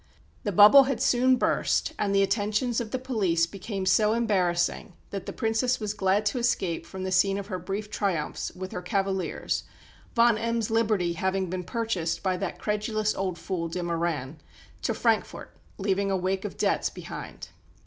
The "bubble" had soon burst, and the attentions of the police became so embarrassing that the Princess was glad to escape from the scene of her brief triumphs with her cavaliers (Von Embs' liberty having been purchased by that "credulous old fool," de Marine) to Frankfort, leaving a wake of debts behind.